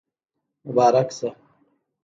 مبارک شه